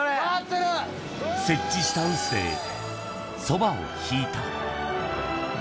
設置した臼で、そばをひいた。